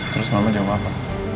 terus mama jawab apa